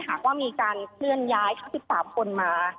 หากว่ามีการเคลื่อนย้ายทั้ง๑๓คนมา